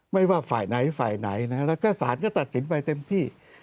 ไม่ว่าฝ่ายไหนฝ่ายไหนแล้วก็สารก็ตัดสินไปเต็มที่